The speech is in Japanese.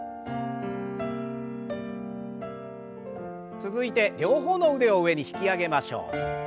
続いて両方の腕を上に引き上げましょう。